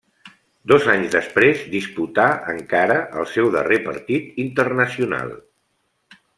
Dos anys després disputà encara el seu darrer partit internacional.